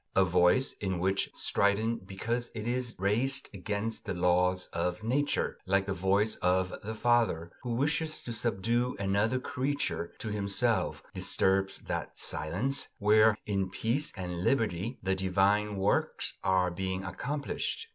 A voice which is strident because it is raised against the laws of Nature, like the voice of the father who wishes to subdue another creature to himself, disturbs that "silence" where, in peace and liberty, the divine works are being accomplished.